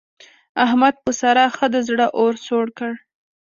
احمد په سارا ښه د زړه اور سوړ کړ.